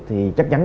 thì chắc chắn